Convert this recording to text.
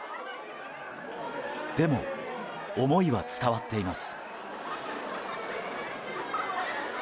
でも、思いは伝わっています。